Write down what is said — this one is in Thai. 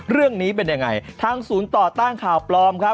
เรื่องนี้เป็นยังไงทางศูนย์ต่อต้านข่าวปลอมครับ